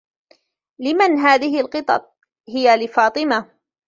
" لمن هذه القطط ؟"" هي لفاطمة ".